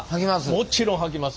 もちろん履きます。